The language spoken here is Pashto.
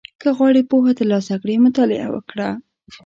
• که غواړې پوهه ترلاسه کړې، مطالعه وکړه.